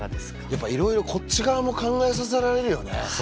やっぱいろいろこっち側も考えさせられるよね。